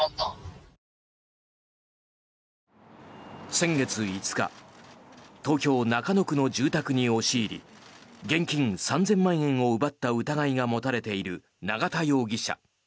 先月５日東京・中野区の住宅に押し入り現金３０００万円を奪った疑いが持たれている永田容疑者。